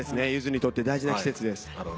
ゆずにとって大事な季節です。